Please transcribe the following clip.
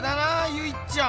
ゆいっちゃん！